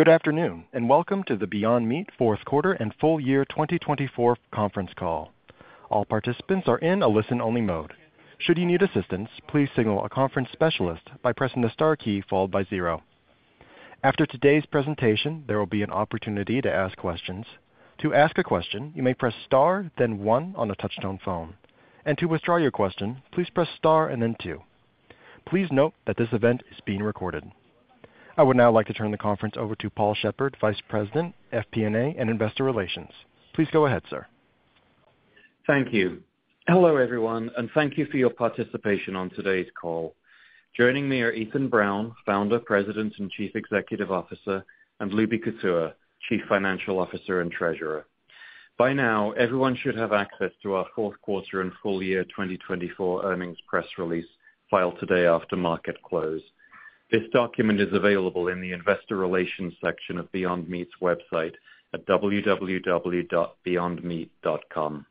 Good afternoon, and welcome to the Beyond Meat fourth quarter and full year 2024 conference call. All participants are in a listen-only mode. Should you need assistance, please signal a conference specialist by pressing the star key followed by zero. After today's presentation, there will be an opportunity to ask questions. To ask a question, you may press star, then one on a touch-tone phone. To withdraw your question, please press star and then two. Please note that this event is being recorded. I would now like to turn the conference over to Paul Sheppard, Vice President, FP&A, and investor relations. Please go ahead, sir. Thank you. Hello everyone, and thank you for your participation on today's call. Joining me are Ethan Brown, Founder, President, and Chief Executive Officer, and Lubi Kutua, Chief Financial Officer and Treasurer. By now, everyone should have access to our fourth quarter and full year 2024 earnings press release filed today after market close. This document is available in the investor relations section of Beyond Meat's website at www.beyondmeat.com.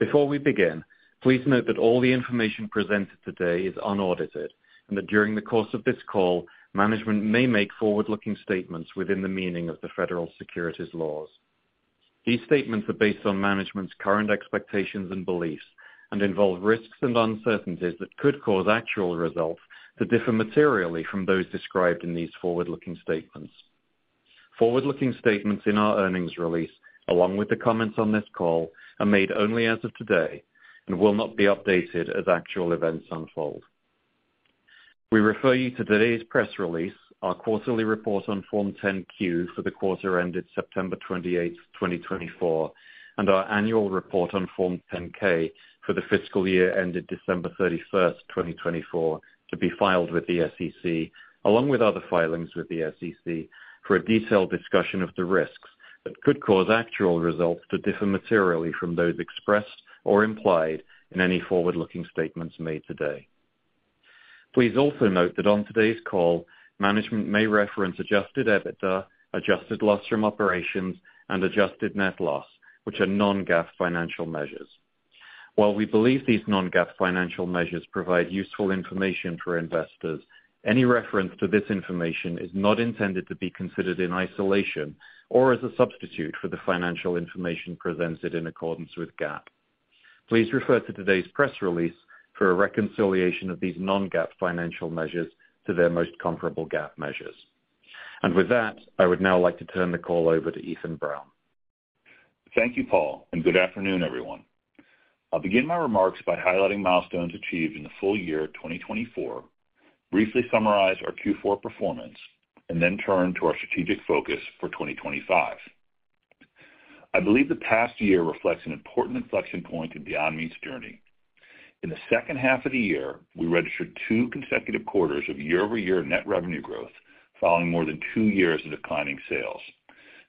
Before we begin, please note that all the information presented today is unaudited, and that during the course of this call, management may make forward-looking statements within the meaning of the federal securities laws. These statements are based on management's current expectations and beliefs, and involve risks and uncertainties that could cause actual results to differ materially from those described in these forward-looking statements. Forward-looking statements in our earnings release, along with the comments on this call, are made only as of today and will not be updated as actual events unfold. We refer you to today's press release, our quarterly report on Form 10-Q for the quarter ended September 28th, 2024, and our annual report on Form 10-K for the fiscal year ended December 31st, 2024, to be filed with the SEC, along with other filings with the SEC, for a detailed discussion of the risks that could cause actual results to differ materially from those expressed or implied in any forward-looking statements made today. Please also note that on today's call, management may reference adjusted EBITDA, adjusted loss from operations, and adjusted net loss, which are non-GAAP financial measures. While we believe these non-GAAP financial measures provide useful information for investors, any reference to this information is not intended to be considered in isolation or as a substitute for the financial information presented in accordance with GAAP. Please refer to today's press release for a reconciliation of these non-GAAP financial measures to their most comparable GAAP measures. I would now like to turn the call over to Ethan Brown. Thank you, Paul, and good afternoon, everyone. I'll begin my remarks by highlighting milestones achieved in the full year 2024, briefly summarize our Q4 performance, and then turn to our strategic focus for 2025. I believe the past year reflects an important inflection point in Beyond Meat's journey. In the second half of the year, we registered two consecutive quarters of year-over-year net revenue growth following more than two years of declining sales.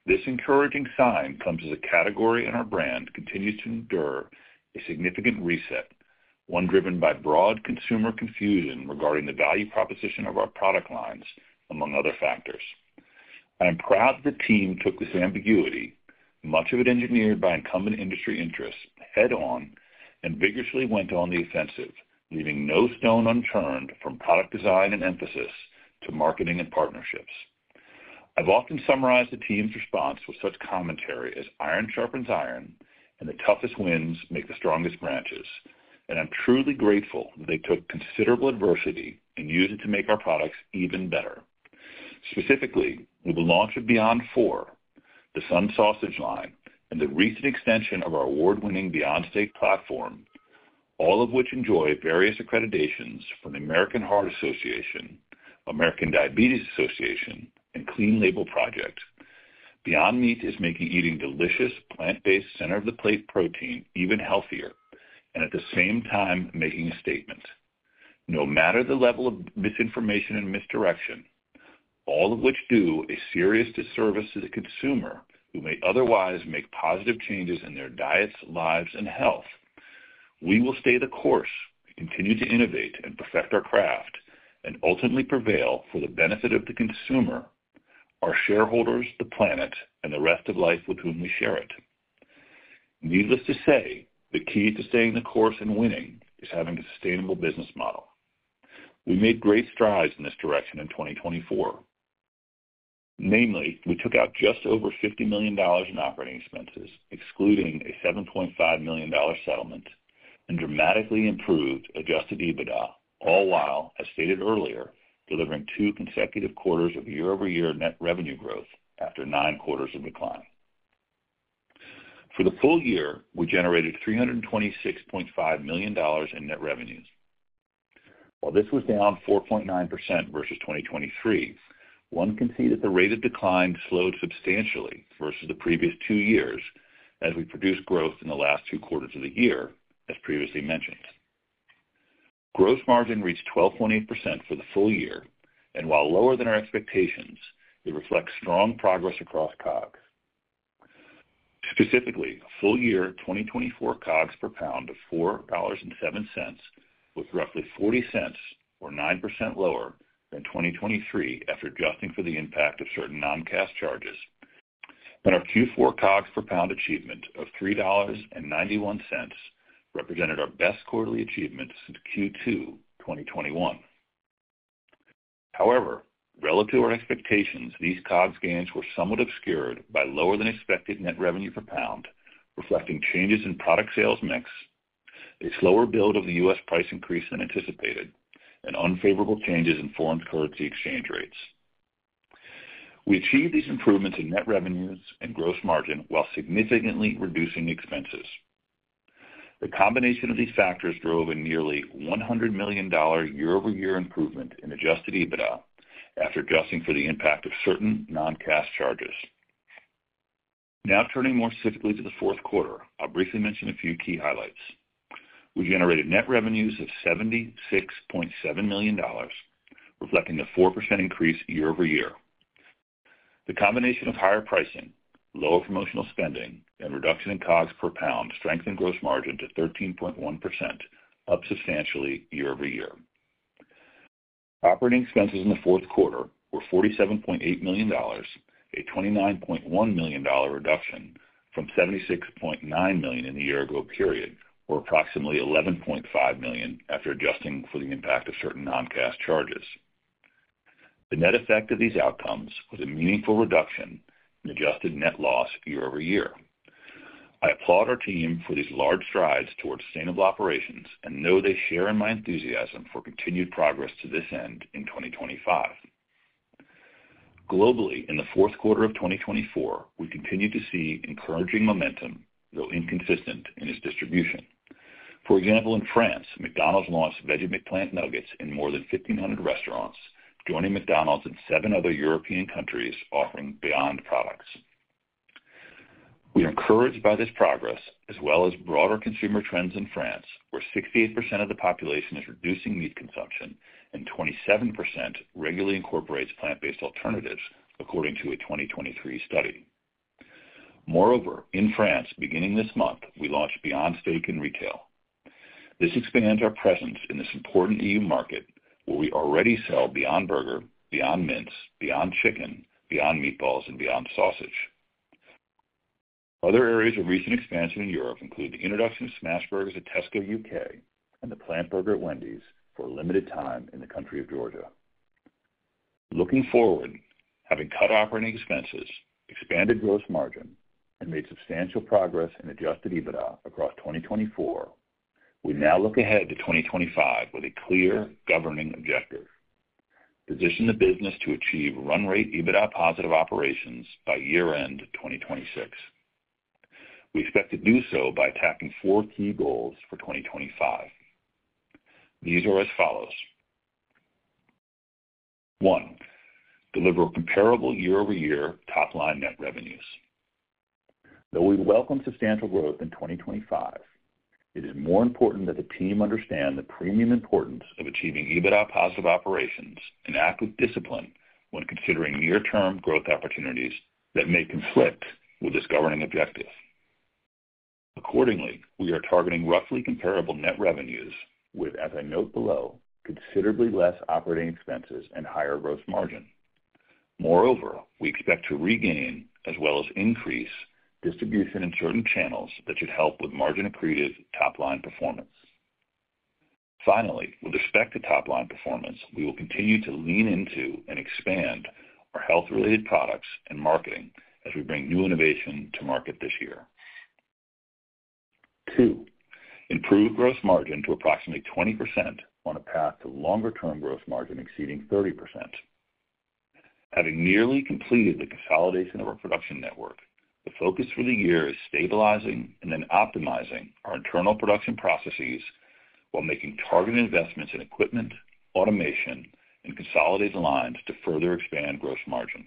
This encouraging sign comes as a category and our brand continues to endure a significant reset, one driven by broad consumer confusion regarding the value proposition of our product lines, among other factors. I am proud that the team took this ambiguity, much of it engineered by incumbent industry interests, head-on and vigorously went on the offensive, leaving no stone unturned from product design and emphasis to marketing and partnerships. I've often summarized the team's response with such commentary as iron sharpens iron and the toughest winds make the strongest branches, and I'm truly grateful that they took considerable adversity and used it to make our products even better. Specifically, we will launch a Beyond IV, the Sun Sausage line, and the recent extension of our award-winning Beyond Steak platform, all of which enjoy various accreditations from the American Heart Association, American Diabetes Association, and Clean Label Project. Beyond Meat is making eating delicious plant-based center-of-the-plate protein even healthier and at the same time making a statement. No matter the level of misinformation and misdirection, all of which do a serious disservice to the consumer who may otherwise make positive changes in their diets, lives, and health, we will stay the course, continue to innovate and perfect our craft, and ultimately prevail for the benefit of the consumer, our shareholders, the planet, and the rest of life with whom we share it. Needless to say, the key to staying the course and winning is having a sustainable business model. We made great strides in this direction in 2024. Namely, we took out just over $50 million in operating expenses, excluding a $7.5 million settlement, and dramatically improved adjusted EBITDA, all while, as stated earlier, delivering two consecutive quarters of year-over-year net revenue growth after nine quarters of decline. For the full year, we generated $326.5 million in net revenues. While this was down 4.9% versus 2023, one can see that the rate of decline slowed substantially versus the previous two years as we produced growth in the last two quarters of the year, as previously mentioned. Gross margin reached 12.8% for the full year, and while lower than our expectations, it reflects strong progress across COGS. Specifically, full year 2024 COGS per pound of $4.07 was roughly $0.40 or 9% lower than 2023 after adjusting for the impact of certain non-cash charges. Our Q4 COGS per pound achievement of $3.91 represented our best quarterly achievement since Q2 2021. However, relative to our expectations, these COGS gains were somewhat obscured by lower than expected net revenue per pound, reflecting changes in product sales mix, a slower build of the U.S. price increase than anticipated, and unfavorable changes in foreign currency exchange rates. We achieved these improvements in net revenues and gross margin while significantly reducing expenses. The combination of these factors drove a nearly $100 million year-over-year improvement in adjusted EBITDA after adjusting for the impact of certain non-cash charges. Now turning more specifically to the fourth quarter, I'll briefly mention a few key highlights. We generated net revenues of $76.7 million, reflecting a 4% increase year-over-year. The combination of higher pricing, lower promotional spending, and reduction in COGS per pound strengthened gross margin to 13.1%, up substantially year-over-year. Operating expenses in the fourth quarter were $47.8 million, a $29.1 million reduction from $76.9 million in the year-ago period, or approximately $11.5 million after adjusting for the impact of certain non-cash charges. The net effect of these outcomes was a meaningful reduction in adjusted net loss year-over-year. I applaud our team for these large strides towards sustainable operations and know they share in my enthusiasm for continued progress to this end in 2025. Globally, in the fourth quarter of 2024, we continue to see encouraging momentum, though inconsistent in its distribution. For example, in France, McDonald's launched Veggie Nuggets in more than 1,500 restaurants, joining McDonald's in seven other European countries offering Beyond products. We are encouraged by this progress, as well as broader consumer trends in France, where 68% of the population is reducing meat consumption and 27% regularly incorporates plant-based alternatives, according to a 2023 study. Moreover, in France, beginning this month, we launched Beyond Steak in retail. This expands our presence in this important European Union market, where we already sell Beyond Burger, Beyond Mince, Beyond Chicken, Beyond Meatballs, and Beyond Sausage. Other areas of recent expansion in Europe include the introduction of Smash burgers at Tesco, U.K., and the Plant Burger at Wendy's for a limited time in the country of Georgia. Looking forward, having cut operating expenses, expanded gross margin, and made substantial progress in adjusted EBITDA across 2024, we now look ahead to 2025 with a clear governing objective: position the business to achieve run-rate EBITDA-positive operations by year-end 2026. We expect to do so by attacking four key goals for 2025. These are as follows. One, deliver comparable year-over-year top-line net revenues. Though we welcome substantial growth in 2025, it is more important that the team understand the premium importance of achieving EBITDA-positive operations and act with discipline when considering near-term growth opportunities that may conflict with this governing objective. Accordingly, we are targeting roughly comparable net revenues with, as I note below, considerably less operating expenses and higher gross margin. Moreover, we expect to regain, as well as increase, distribution in certain channels that should help with margin-accretive top-line performance. Finally, with respect to top-line performance, we will continue to lean into and expand our health-related products and marketing as we bring new innovation to market this year. Two, improve gross margin to approximately 20% on a path to longer-term gross margin exceeding 30%. Having nearly completed the consolidation of our production network, the focus for the year is stabilizing and then optimizing our internal production processes while making targeted investments in equipment, automation, and consolidated lines to further expand gross margin.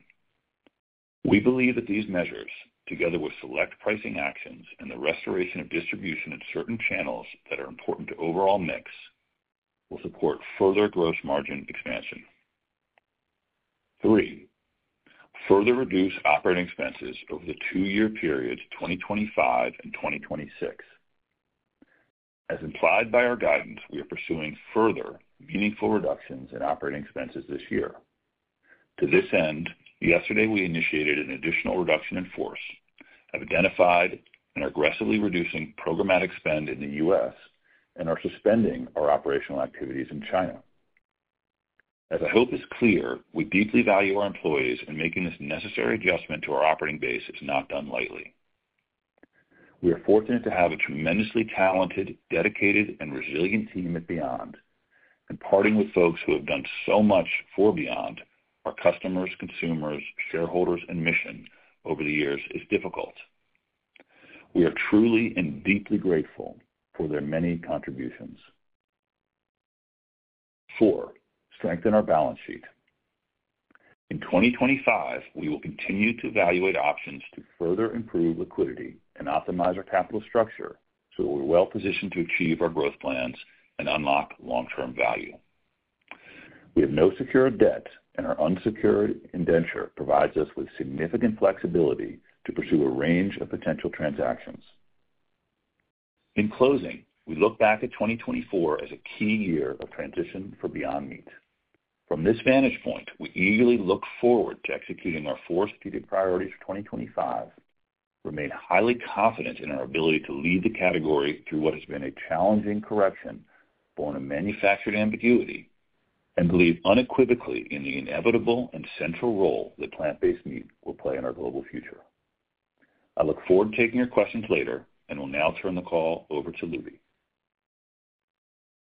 We believe that these measures, together with select pricing actions and the restoration of distribution in certain channels that are important to overall mix, will support further gross margin expansion. Three, further reduce operating expenses over the two-year periods 2025 and 2026. As implied by our guidance, we are pursuing further meaningful reductions in operating expenses this year. To this end, yesterday we initiated an additional reduction in force, have identified and are aggressively reducing programmatic spend in the U.S. and are suspending our operational activities in China. As I hope is clear, we deeply value our employees, and making this necessary adjustment to our operating base is not done lightly. We are fortunate to have a tremendously talented, dedicated, and resilient team at Beyond, and parting with folks who have done so much for Beyond, our customers, consumers, shareholders, and mission over the years is difficult. We are truly and deeply grateful for their many contributions. Four, strengthen our balance sheet. In 2025, we will continue to evaluate options to further improve liquidity and optimize our capital structure so that we're well-positioned to achieve our growth plans and unlock long-term value. We have no secured debt, and our unsecured indenture provides us with significant flexibility to pursue a range of potential transactions. In closing, we look back at 2024 as a key year of transition for Beyond Meat. From this vantage point, we eagerly look forward to executing our four stated priorities for 2025, remain highly confident in our ability to lead the category through what has been a challenging correction born of manufactured ambiguity, and believe unequivocally in the inevitable and central role that plant-based meat will play in our global future. I look forward to taking your questions later, and we'll now turn the call over to Lubi.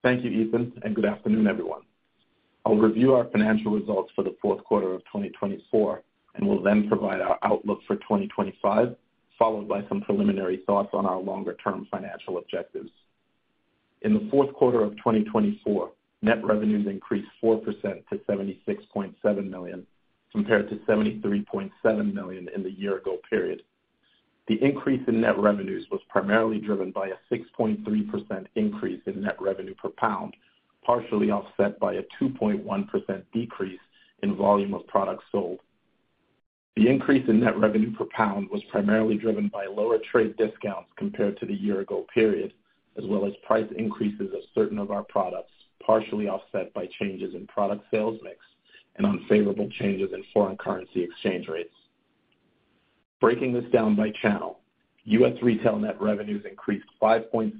Thank you, Ethan, and good afternoon, everyone. I'll review our financial results for the fourth quarter of 2024, and we'll then provide our outlook for 2025, followed by some preliminary thoughts on our longer-term financial objectives. In the fourth quarter of 2024, net revenues increased 4% to $76.7 million compared to $73.7 million in the year-ago period. The increase in net revenues was primarily driven by a 6.3% increase in net revenue per pound, partially offset by a 2.1% decrease in volume of products sold. The increase in net revenue per pound was primarily driven by lower trade discounts compared to the year-ago period, as well as price increases of certain of our products, partially offset by changes in product sales mix and unfavorable changes in foreign currency exchange rates. Breaking this down by channel, U.S. retail net revenues increased 5.7%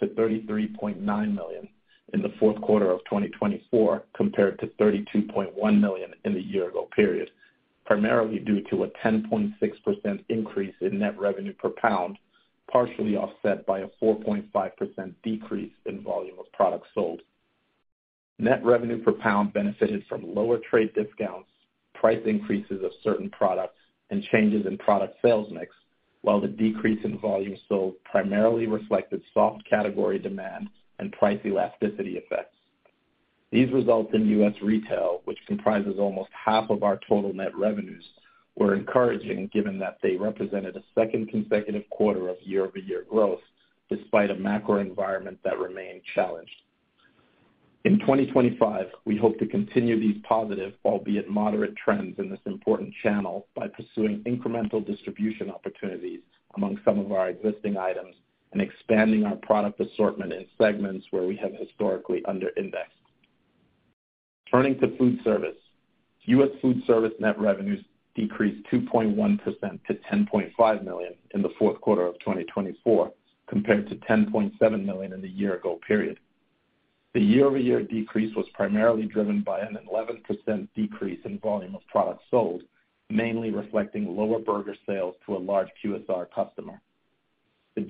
to $33.9 million in the fourth quarter of 2024 compared to $32.1 million in the year-ago period, primarily due to a 10.6% increase in net revenue per pound, partially offset by a 4.5% decrease in volume of products sold. Net revenue per pound benefited from lower trade discounts, price increases of certain products, and changes in product sales mix, while the decrease in volume sold primarily reflected soft category demand and price elasticity effects. These results in U.S. retail, which comprises almost half of our total net revenues, were encouraging given that they represented a second consecutive quarter of year-over-year growth despite a macro environment that remained challenged. In 2025, we hope to continue these positive, albeit moderate, trends in this important channel by pursuing incremental distribution opportunities among some of our existing items and expanding our product assortment in segments where we have historically under-indexed. Turning to food service, U.S. food service net revenues decreased 2.1% to $10.5 million in the fourth quarter of 2024 compared to $10.7 million in the year-ago period. The year-over-year decrease was primarily driven by an 11% decrease in volume of products sold, mainly reflecting lower burger sales to a large QSR customer.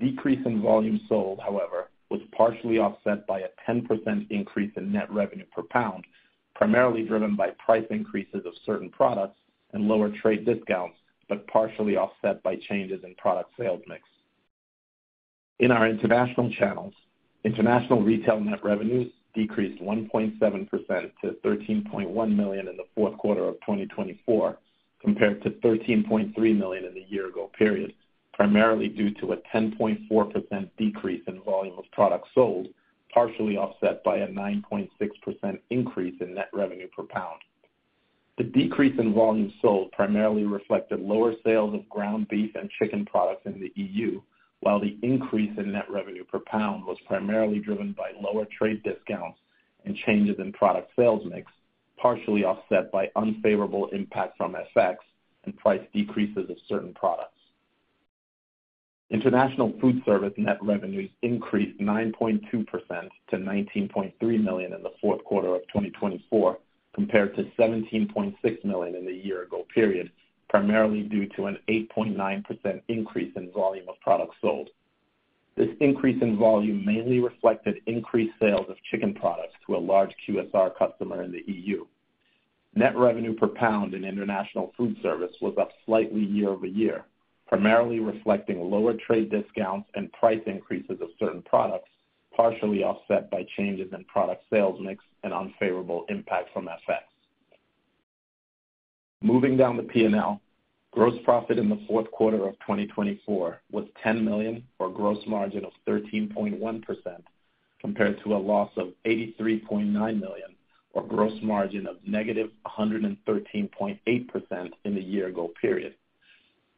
The decrease in volume sold, however, was partially offset by a 10% increase in net revenue per pound, primarily driven by price increases of certain products and lower trade discounts, but partially offset by changes in product sales mix. In our international channels, international retail net revenues decreased 1.7% to $13.1 million in the fourth quarter of 2024 compared to $13.3 million in the year-ago period, primarily due to a 10.4% decrease in volume of products sold, partially offset by a 9.6% increase in net revenue per pound. The decrease in volume sold primarily reflected lower sales of ground beef and chicken products in the EU, while the increase in net revenue per pound was primarily driven by lower trade discounts and changes in product sales mix, partially offset by unfavorable impact from FX and price decreases of certain products. International food service net revenues increased 9.2% to $19.3 million in the fourth quarter of 2024 compared to $17.6 million in the year-ago period, primarily due to an 8.9% increase in volume of products sold. This increase in volume mainly reflected increased sales of chicken products to a large QSR customer in the EU. Net revenue per pound in international food service was up slightly year-over-year, primarily reflecting lower trade discounts and price increases of certain products, partially offset by changes in product sales mix and unfavorable impact from FX. Moving down the P&L, gross profit in the fourth quarter of 2024 was $10 million, or gross margin of 13.1%, compared to a loss of $83.9 million, or gross margin of negative 113.8% in the year-ago period.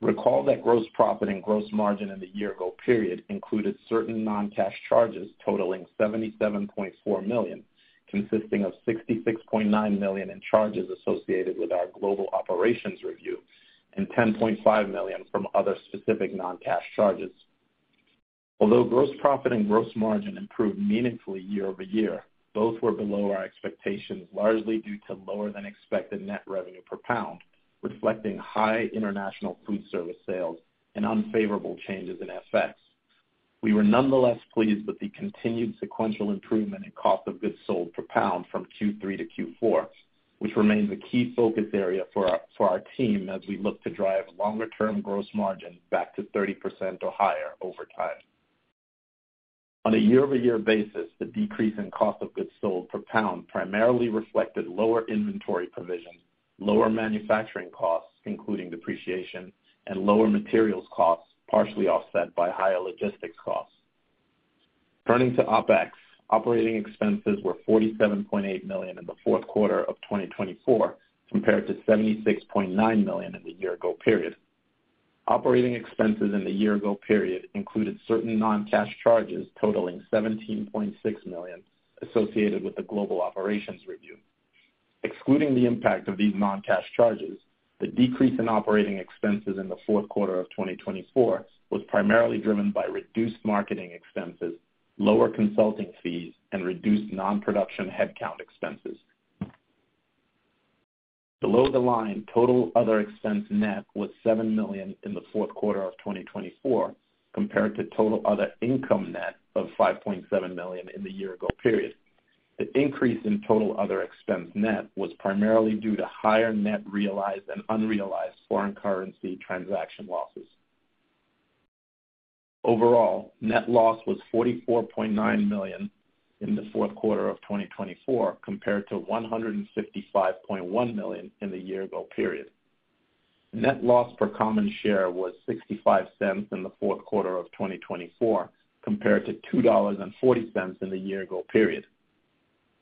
Recall that gross profit and gross margin in the year-ago period included certain non-cash charges totaling $77.4 million, consisting of $66.9 million in charges associated with our global operations review and $10.5 million from other specific non-cash charges. Although gross profit and gross margin improved meaningfully year-over-year, both were below our expectations, largely due to lower-than-expected net revenue per pound, reflecting high international food service sales and unfavorable changes in FX. We were nonetheless pleased with the continued sequential improvement in cost of goods sold per pound from Q3 to Q4, which remains a key focus area for our team as we look to drive longer-term gross margin back to 30% or higher over time. On a year-over-year basis, the decrease in cost of goods sold per pound primarily reflected lower inventory provision, lower manufacturing costs, including depreciation, and lower materials costs, partially offset by higher logistics costs. Turning to OpEx, operating expenses were $47.8 million in the fourth quarter of 2024 compared to $76.9 million in the year-ago period. Operating expenses in the year-ago period included certain non-cash charges totaling $17.6 million associated with the global operations review. Excluding the impact of these non-cash charges, the decrease in operating expenses in the fourth quarter of 2024 was primarily driven by reduced marketing expenses, lower consulting fees, and reduced non-production headcount expenses. Below the line, total other expense net was $7 million in the fourth quarter of 2024 compared to total other income net of $5.7 million in the year-ago period. The increase in total other expense net was primarily due to higher net realized and unrealized foreign currency transaction losses. Overall, net loss was $44.9 million in the fourth quarter of 2024 compared to $155.1 million in the year-ago period. Net loss per common share was $0.65 in the fourth quarter of 2024 compared to $2.40 in the year-ago period.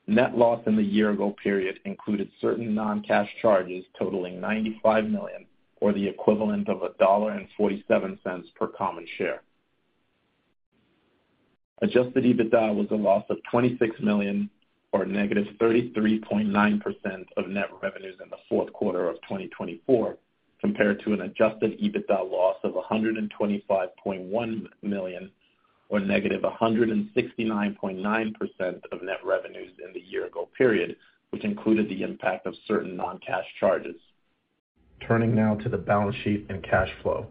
Net loss in the year-ago period included certain non-cash charges totaling $95 million or the equivalent of $1.47 per common share. Adjusted EBITDA was a loss of $26 million or negative 33.9% of net revenues in the fourth quarter of 2024 compared to an adjusted EBITDA loss of $125.1 million or negative 169.9% of net revenues in the year-ago period, which included the impact of certain non-cash charges. Turning now to the balance sheet and cash flow.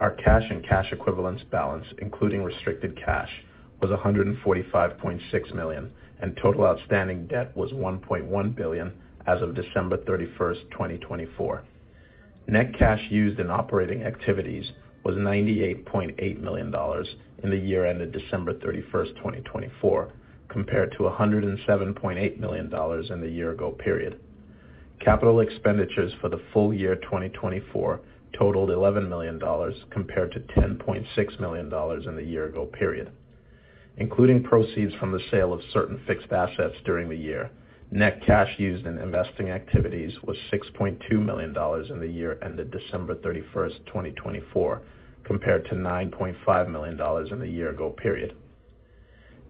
Our cash and cash equivalents balance, including restricted cash, was $145.6 million, and total outstanding debt was $1.1 billion as of December 31st, 2024. Net cash used in operating activities was $98.8 million in the year-end of December 31, 2024, compared to $107.8 million in the year-ago period. Capital expenditures for the full year 2024 totaled $11 million compared to $10.6 million in the year-ago period. Including proceeds from the sale of certain fixed assets during the year, net cash used in investing activities was $6.2 million in the year-end of December 31, 2024, compared to $9.5 million in the year-ago period.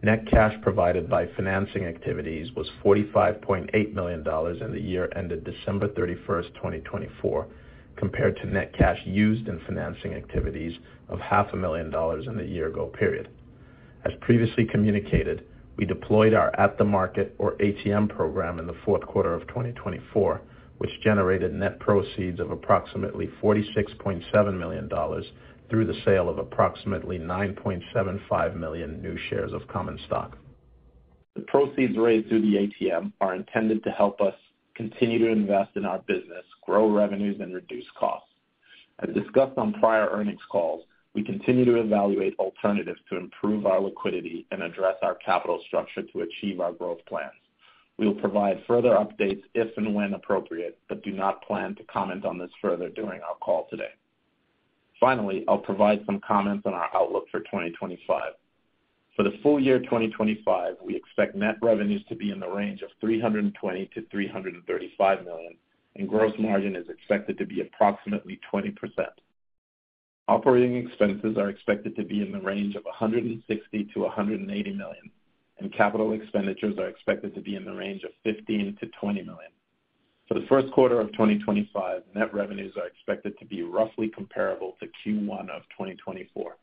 Net cash provided by financing activities was $45.8 million in the year-end of December 31st, 2024, compared to net cash used in financing activities of $0.5 million in the year-ago period. As previously communicated, we deployed our ATM program in the fourth quarter of 2024, which generated net proceeds of approximately $46.7 million through the sale of approximately 9.75 million new shares of common stock. The proceeds raised through the ATM are intended to help us continue to invest in our business, grow revenues, and reduce costs. As discussed on prior earnings calls, we continue to evaluate alternatives to improve our liquidity and address our capital structure to achieve our growth plans. We will provide further updates if and when appropriate, but do not plan to comment on this further during our call today. Finally, I'll provide some comments on our outlook for 2025. For the full year 2025, we expect net revenues to be in the range of $320 million-$335 million, and gross margin is expected to be approximately 20%. Operating expenses are expected to be in the range of $160 million-$180 million, and capital expenditures are expected to be in the range of $15 million-$20 million. For the first quarter of 2025, net revenues are expected to be roughly comparable to Q1 of 2024.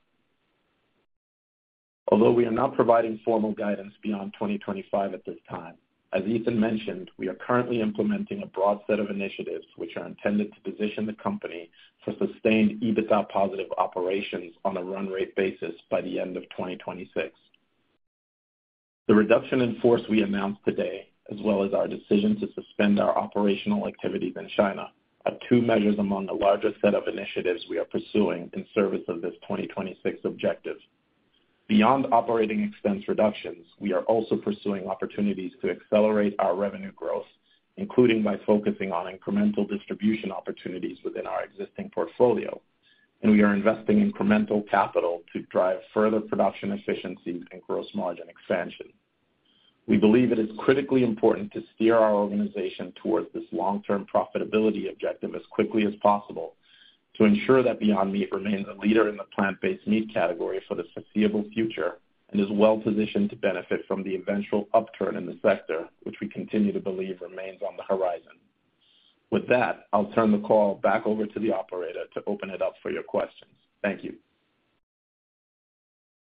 Although we are not providing formal guidance beyond 2025 at this time, as Ethan mentioned, we are currently implementing a broad set of initiatives which are intended to position the company for sustained EBITDA-positive operations on a run-rate basis by the end of 2026. The reduction in force we announced today, as well as our decision to suspend our operational activities in China, are two measures among the larger set of initiatives we are pursuing in service of this 2026 objective. Beyond operating expense reductions, we are also pursuing opportunities to accelerate our revenue growth, including by focusing on incremental distribution opportunities within our existing portfolio, and we are investing incremental capital to drive further production efficiencies and gross margin expansion. We believe it is critically important to steer our organization towards this long-term profitability objective as quickly as possible to ensure that Beyond Meat remains a leader in the plant-based meat category for the foreseeable future and is well-positioned to benefit from the eventual upturn in the sector, which we continue to believe remains on the horizon. With that, I'll turn the call back over to the operator to open it up for your questions. Thank you.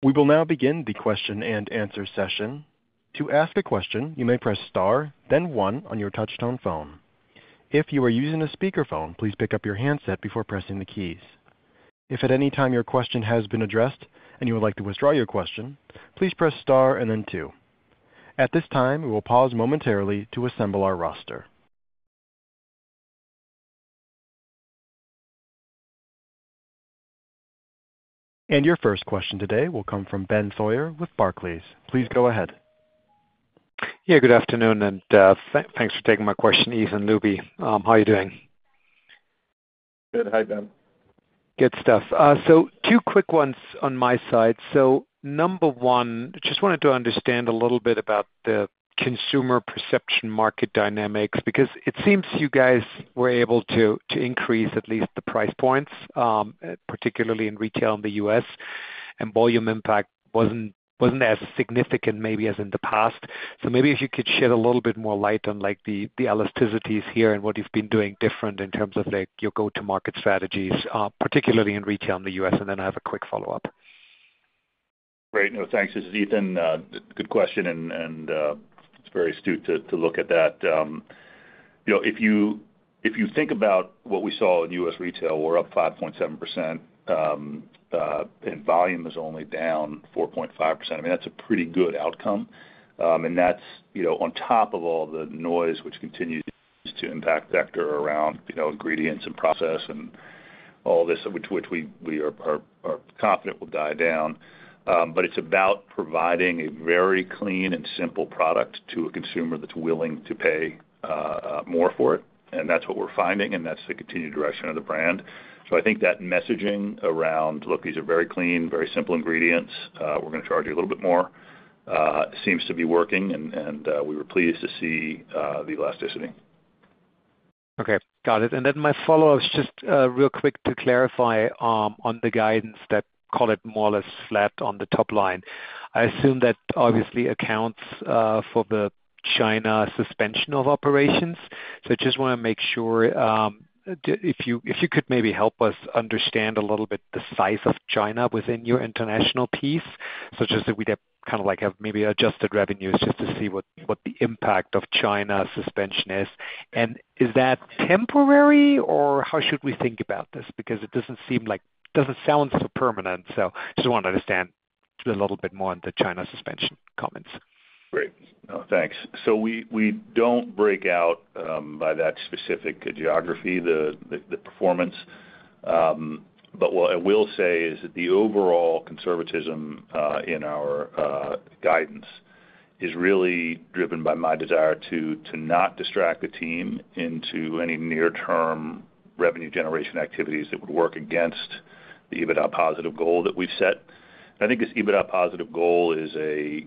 We will now begin the question and answer session. To ask a question, you may press star, then one on your touch-tone phone. If you are using a speakerphone, please pick up your handset before pressing the keys. If at any time your question has been addressed and you would like to withdraw your question, please press star and then two. At this time, we will pause momentarily to assemble our roster. Your first question today will come from Ben Theurer with Barclays. Please go ahead. Good afternoon and thanks for taking my question, Ethan, Lubi. How are you doing? Good. Hi, Ben. Good stuff. Two quick ones on my side. Number one, just wanted to understand a little bit about the consumer perception market dynamics because it seems you guys were able to increase at least the price points, particularly in retail in the U.S., and volume impact was not as significant maybe as in the past. Maybe if you could shed a little bit more light on the elasticities here and what you have been doing different in terms of your go-to-market strategies, particularly in retail in the U.S., and then I have a quick follow-up. Great. No, thanks. This is Ethan. Good question, and it is very astute to look at that. If you think about what we saw in U.S. retail, we're up 5.7%, and volume is only down 4.5%. I mean, that's a pretty good outcome, and that's on top of all the noise which continues to impact sector around ingredients and process and all this, which we are confident will die down. It is about providing a very clean and simple product to a consumer that's willing to pay more for it, and that's what we're finding, and that's the continued direction of the brand. I think that messaging around, "Look, these are very clean, very simple ingredients. We're going to charge you a little bit more," seems to be working, and we were pleased to see the elasticity. Okay. Got it. My follow-up, just real quick to clarify on the guidance that. Call it more or less flat on the top line. I assume that obviously accounts for the China suspension of operations. I just want to make sure if you could maybe help us understand a little bit the size of China within your international piece, such as that we kind of have maybe adjusted revenues just to see what the impact of China suspension is. Is that temporary, or how should we think about this? Because it does not sound so permanent. I just want to understand a little bit more on the China suspension comments. Great. No, thanks. We do not break out by that specific geography, the performance. What I will say is that the overall conservatism in our guidance is really driven by my desire to not distract the team into any near-term revenue generation activities that would work against the EBITDA positive goal that we have set. I think this EBITDA positive goal is a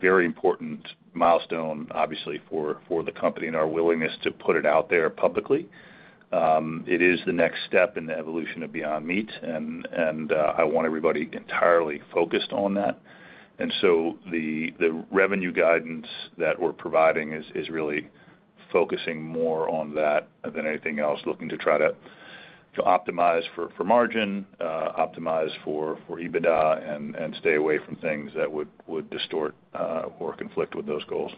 very important milestone, obviously, for the company and our willingness to put it out there publicly. It is the next step in the evolution of Beyond Meat, and I want everybody entirely focused on that. The revenue guidance that we're providing is really focusing more on that than anything else, looking to try to optimize for margin, optimize for EBITDA, and stay away from things that would distort or conflict with those goals.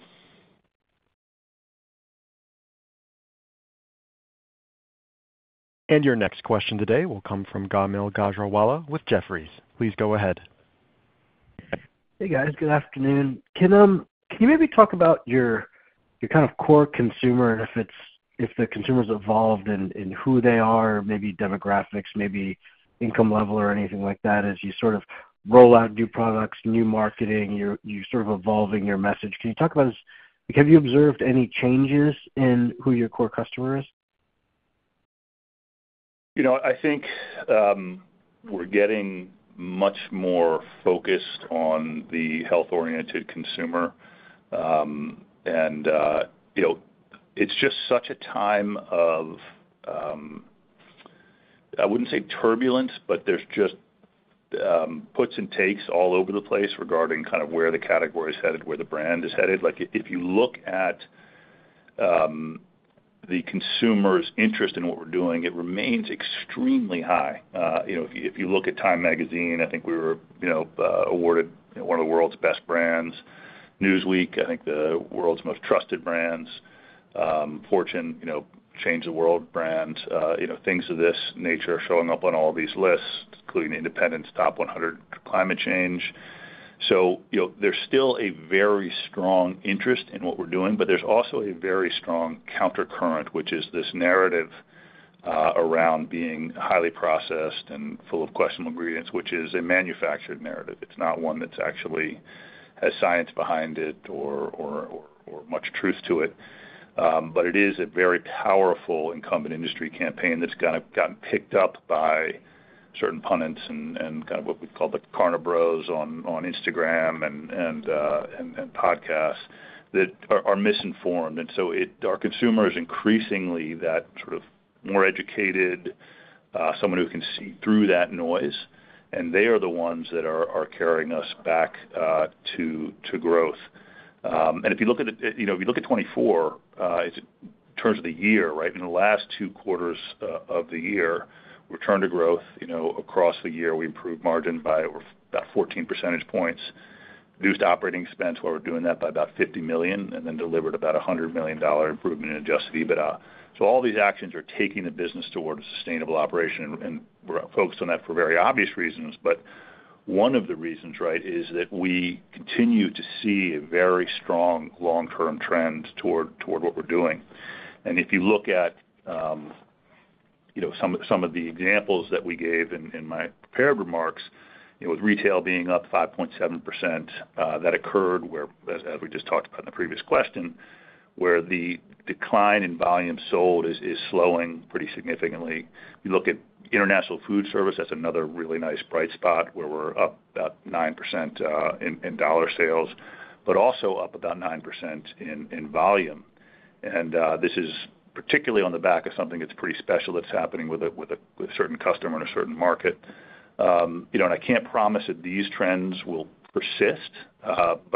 Your next question today will come from Kaumil Gajrawala with Jefferies. Please go ahead. Hey, guys. Good afternoon. Can you maybe talk about your kind of core consumer and if the consumer's evolved in who they are, maybe demographics, maybe income level, or anything like that as you sort of roll out new products, new marketing, you're sort of evolving your message. Can you talk about this? Have you observed any changes in who your core customer is? I think we're getting much more focused on the health-oriented consumer, and it's just such a time of, I wouldn't say turbulence, but there's just puts and takes all over the place regarding kind of where the category is headed, where the brand is headed. If you look at the consumer's interest in what we're doing, it remains extremely high. If you look at Time Magazine, I think we were awarded one of the world's best brands. Newsweek, I think the world's most trusted brands. Fortune, Change the World brands. Things of this nature are showing up on all these lists, including Independence, Top 100 Climate Change. There is still a very strong interest in what we're doing, but there is also a very strong countercurrent, which is this narrative around being highly processed and full of questionable ingredients, which is a manufactured narrative. It's not one that actually has science behind it or much truth to it. It is a very powerful incumbent industry campaign that's kind of gotten picked up by certain pundits and kind of what we call the Carnibros on Instagram and podcasts that are misinformed. Our consumer is increasingly that sort of more educated, someone who can see through that noise, and they are the ones that are carrying us back to growth. If you look at 2024, in terms of the year, right, in the last two quarters of the year, return to growth across the year, we improved margin by about 14 percentage points, reduced operating expense while we're doing that by about $50 million, and then delivered about a $100 million improvement in adjusted EBITDA. All these actions are taking the business toward a sustainable operation, and we're focused on that for very obvious reasons. One of the reasons, right, is that we continue to see a very strong long-term trend toward what we're doing. If you look at some of the examples that we gave in my prepared remarks, with retail being up 5.7%, that occurred where, as we just talked about in the previous question, the decline in volume sold is slowing pretty significantly. You look at International Food Service, that's another really nice bright spot where we're up about 9% in dollar sales, but also up about 9% in volume. This is particularly on the back of something that's pretty special that's happening with a certain customer in a certain market. I can't promise that these trends will persist,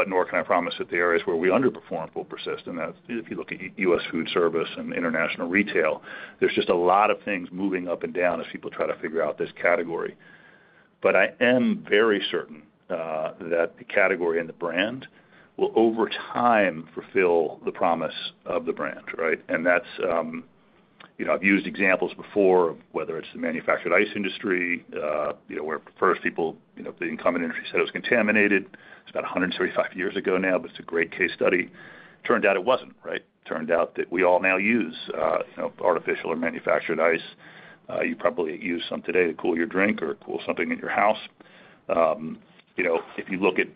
nor can I promise that the areas where we underperformed will persist. If you look at U.S. Food Service and International Retail, there's just a lot of things moving up and down as people try to figure out this category. I am very certain that the category and the brand will over time fulfill the promise of the brand, right? I've used examples before of whether it's the manufactured ice industry, where first people, the incumbent industry said it was contaminated. It's about 135 years ago now, but it's a great case study. Turned out it wasn't, right? Turned out that we all now use artificial or manufactured ice. You probably use some today to cool your drink or cool something in your house. If you look at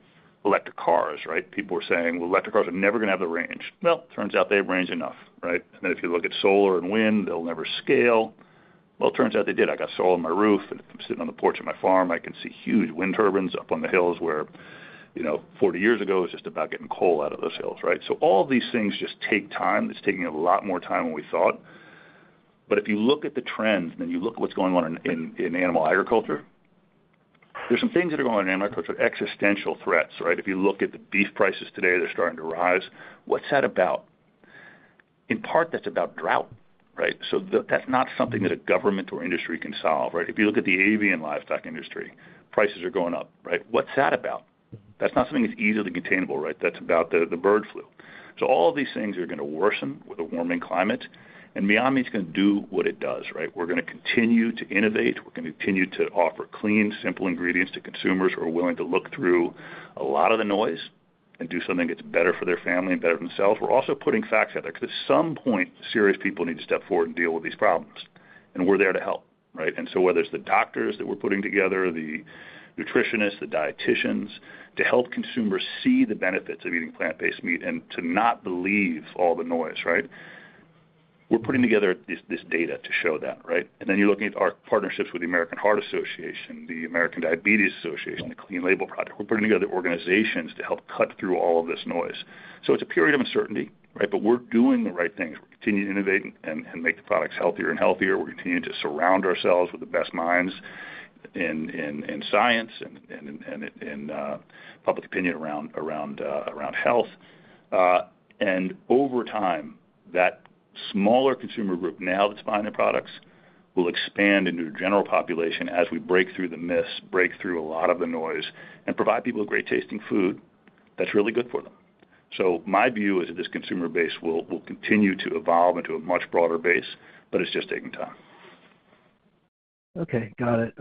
electric cars, right, people were saying, "Well, electric cars are never going to have the range." Turns out they have range enough, right? If you look at solar and wind, they'll never scale. It turns out they did. I got solar on my roof, and if I'm sitting on the porch of my farm, I can see huge wind turbines up on the hills where 40 years ago it was just about getting coal out of those hills, right? All of these things just take time. It's taking a lot more time than we thought. If you look at the trend and then you look at what's going on in animal agriculture, there are some things that are going on in animal agriculture, existential threats, right? If you look at the beef prices today, they're starting to rise. What's that about? In part, that's about drought, right? That's not something that a government or industry can solve, right? If you look at the avian livestock industry, prices are going up, right? What's that about? That's not something that's easily containable, right? That's about the bird flu. All of these things are going to worsen with a warming climate, and Beyond Meat's going to do what it does, right? We're going to continue to innovate. We're going to continue to offer clean, simple ingredients to consumers who are willing to look through a lot of the noise and do something that's better for their family and better for themselves. We're also putting facts out there because at some point, serious people need to step forward and deal with these problems, and we're there to help, right? Whether it's the doctors that we're putting together, the nutritionists, the dieticians, to help consumers see the benefits of eating plant-based meat and to not believe all the noise, right? We're putting together this data to show that, right? You're looking at our partnerships with the American Heart Association, the American Diabetes Association, the Clean Label Project. We're putting together organizations to help cut through all of this noise. It's a period of uncertainty, right? We're doing the right things. We're continuing to innovate and make the products healthier and healthier. We're continuing to surround ourselves with the best minds in science and in public opinion around health. Over time, that smaller consumer group now that's buying the products will expand into a general population as we break through the myths, break through a lot of the noise, and provide people with great tasting food that's really good for them. My view is that this consumer base will continue to evolve into a much broader base, but it's just taking time. Okay. Got it.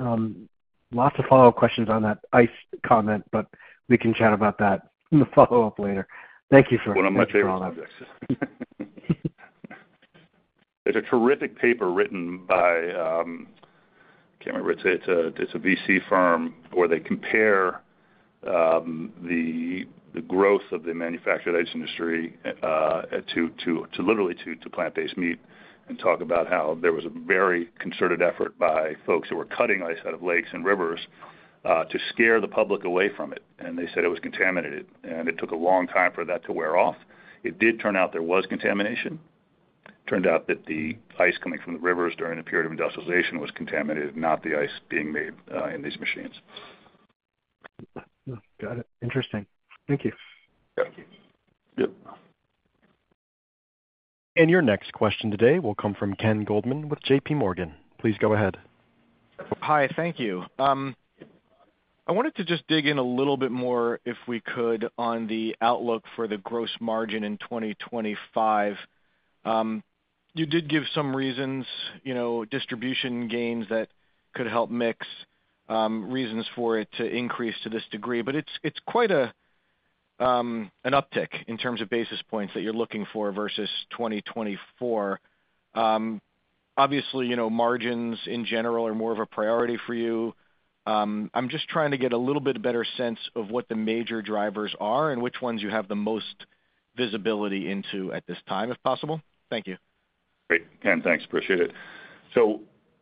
Lots of follow-up questions on that ice comment, but we can chat about that in the follow-up later. Thank you for all that. There's a terrific paper written by, I can't remember what it's called, it's a VC firm where they compare the growth of the manufactured ice industry to literally to plant-based meat and talk about how there was a very concerted effort by folks who were cutting ice out of lakes and rivers to scare the public away from it. They said it was contaminated, and it took a long time for that to wear off. It did turn out there was contamination. It turned out that the ice coming from the rivers during the period of industrialization was contaminated, not the ice being made in these machines. Got it. Interesting. Thank you. Thank you. Yep. Your next question today will come from Ken Goldman with JPMorgan. Please go ahead. Hi. Thank you. I wanted to just dig in a little bit more, if we could, on the outlook for the gross margin in 2025. You did give some reasons, distribution gains that could help mix reasons for it to increase to this degree. But it's quite an uptick in terms of basis points that you're looking for versus 2024. Obviously, margins in general are more of a priority for you. I'm just trying to get a little bit better sense of what the major drivers are and which ones you have the most visibility into at this time, if possible. Thank you. Great. Ken, thanks. Appreciate it.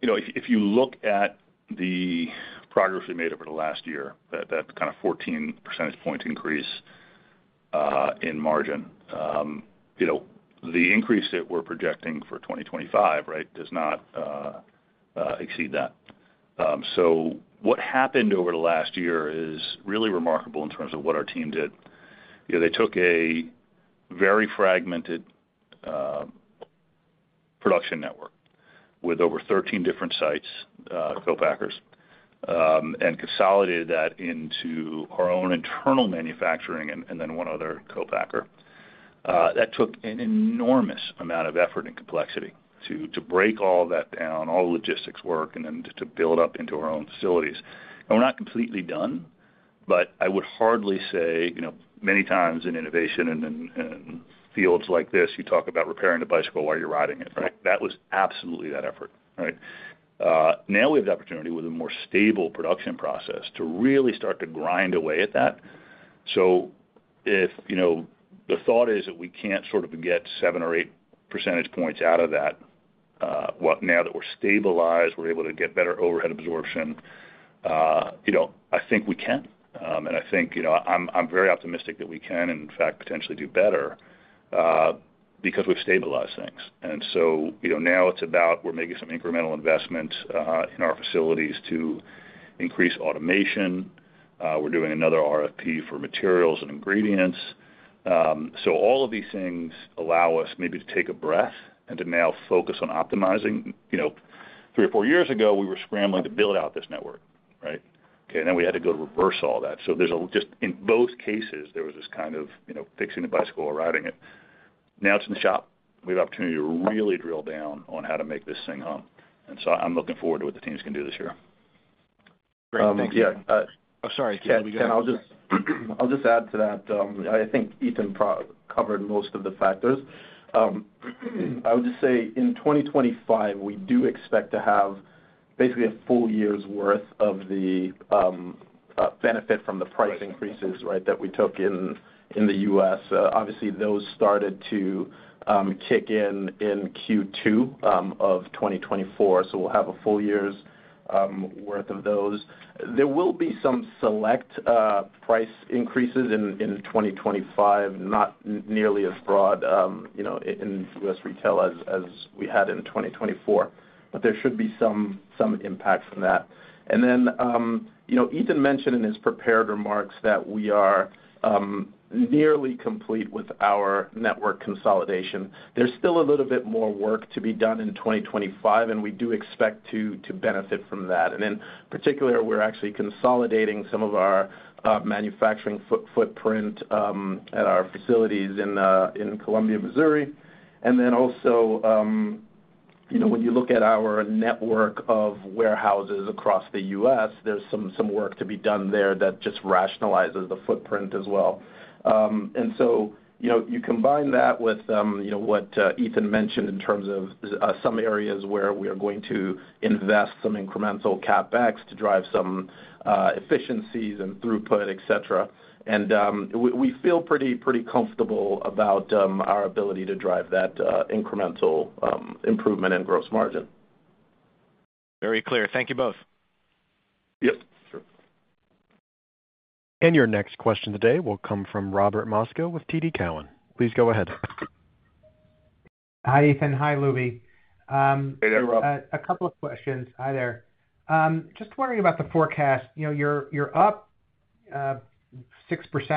If you look at the progress we made over the last year, that kind of 14 percentage point increase in margin, the increase that we're projecting for 2025, right, does not exceed that. What happened over the last year is really remarkable in terms of what our team did. They took a very fragmented production network with over 13 different sites, co-packers, and consolidated that into our own internal manufacturing and then one other co-packer. That took an enormous amount of effort and complexity to break all that down, all the logistics work, and then to build up into our own facilities. We're not completely done, but I would hardly say many times in innovation and fields like this, you talk about repairing a bicycle while you're riding it, right? That was absolutely that effort, right? Now we have the opportunity with a more stable production process to really start to grind away at that. If the thought is that we can't sort of get 7 or 8 percentage points out of that, now that we're stabilized, we're able to get better overhead absorption, I think we can. I think I'm very optimistic that we can, in fact, potentially do better because we've stabilized things. Now it's about we're making some incremental investments in our facilities to increase automation. We're doing another RFP for materials and ingredients. All of these things allow us maybe to take a breath and to now focus on optimizing. Three or four years ago, we were scrambling to build out this network, right? Okay. Then we had to go reverse all that. Just in both cases, there was this kind of fixing the bicycle or riding it. Now it's in the shop. We have the opportunity to really drill down on how to make this thing home. I am looking forward to what the teams can do this year. Great. Thank you. Yeah. Oh, sorry. Can I just add to that? I think Ethan covered most of the factors. I would just say in 2025, we do expect to have basically a full year's worth of the benefit from the price increases, right, that we took in the U.S. Obviously, those started to kick in in Q2 of 2024. We will have a full year's worth of those. There will be some select price increases in 2025, not nearly as broad in U.S. retail as we had in 2024, but there should be some impact from that. Ethan mentioned in his prepared remarks that we are nearly complete with our network consolidation. There's still a little bit more work to be done in 2025, and we do expect to benefit from that. In particular, we're actually consolidating some of our manufacturing footprint at our facilities in Columbia, Missouri. When you look at our network of warehouses across the U.S., there's some work to be done there that just rationalizes the footprint as well. You combine that with what Ethan mentioned in terms of some areas where we are going to invest some incremental CapEx to drive some efficiencies and throughput, etc. We feel pretty comfortable about our ability to drive that incremental improvement in gross margin. Very clear. Thank you both. Yep. Sure. Your next question today will come from Robert Moskow with TD Cowen. Please go ahead. Hi, Ethan. Hi, Lubi. Hey, Rob. A couple of questions. Hi there. Just wondering about the forecast. You're up 6%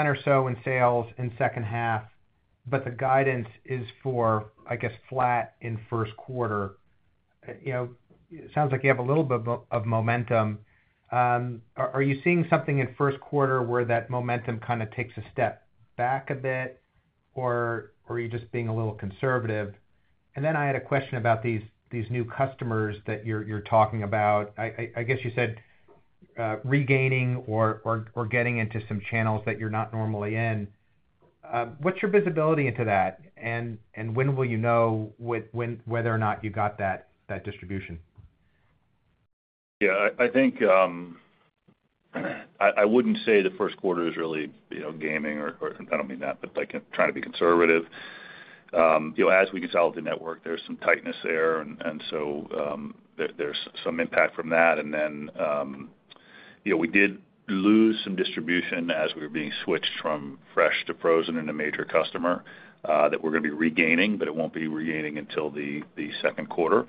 or so in sales in second half, but the guidance is for, I guess, flat in first quarter. It sounds like you have a little bit of momentum. Are you seeing something in first quarter where that momentum kind of takes a step back a bit, or are you just being a little conservative? I had a question about these new customers that you're talking about. I guess you said regaining or getting into some channels that you're not normally in. What's your visibility into that? When will you know whether or not you got that distribution? I think I wouldn't say the first quarter is really gaming, or I don't mean that, but trying to be conservative. As we consolidate the network, there's some tightness there, and so there's some impact from that. We did lose some distribution as we were being switched from fresh to frozen in a major customer that we're going to be regaining, but it won't be regaining until the second quarter.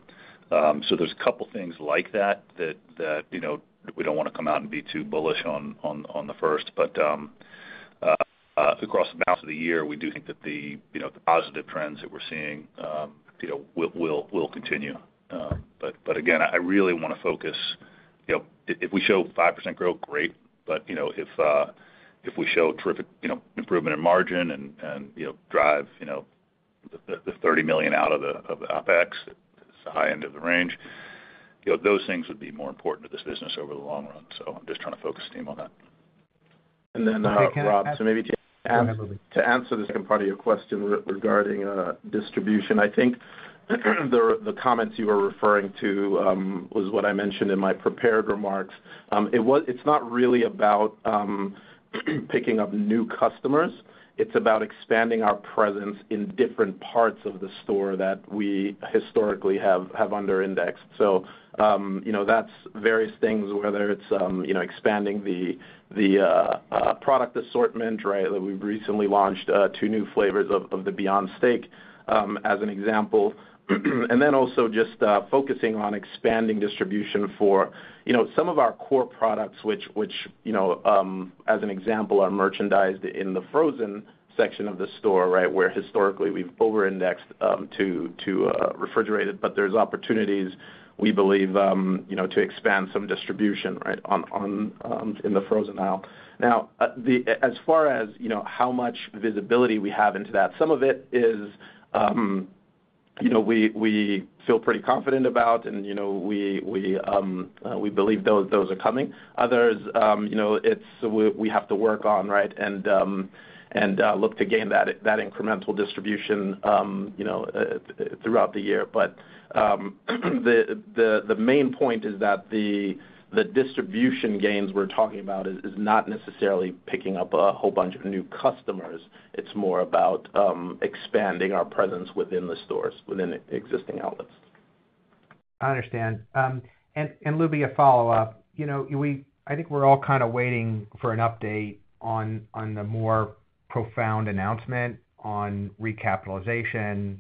There are a couple of things like that that we don't want to come out and be too bullish on the first. Across the balance of the year, we do think that the positive trends that we're seeing will continue. Again, I really want to focus if we show 5% growth, great. If we show terrific improvement in margin and drive the $30 million out of the OpEx, it's the high end of the range, those things would be more important to this business over the long run. I'm just trying to focus the team on that. Rob, to answer the second part of your question regarding distribution, I think the comments you were referring to were what I mentioned in my prepared remarks. It's not really about picking up new customers. It's about expanding our presence in different parts of the store that we historically have under-indexed. That's various things, whether it's expanding the product assortment, right? We've recently launched two new flavors of the Beyond Steak as an example. Also, just focusing on expanding distribution for some of our core products, which, as an example, are merchandised in the frozen section of the store, right, where historically we've over-indexed to refrigerated. There are opportunities, we believe, to expand some distribution in the frozen aisle. Now, as far as how much visibility we have into that, some of it is we feel pretty confident about, and we believe those are coming. Others, we have to work on, right, and look to gain that incremental distribution throughout the year. The main point is that the distribution gains we're talking about is not necessarily picking up a whole bunch of new customers. It's more about expanding our presence within the stores, within existing outlets. I understand. Lubi, a follow-up. I think we're all kind of waiting for an update on the more profound announcement on recapitalization.